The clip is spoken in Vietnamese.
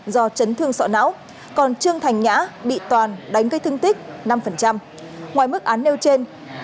do chấn thương sọ não còn trương thành nhã bị toàn đánh gây thương tích năm ngoài mức án nêu trên